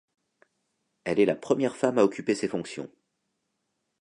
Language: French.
Elle est la première femme à occuper ces fonctions.